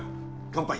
乾杯！